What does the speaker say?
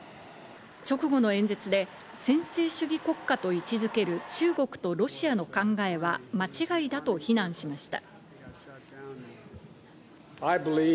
直後の演説で専制主義国家と位置付ける中国とロシアの考えは間違いだと非難しました。